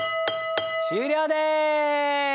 終了です。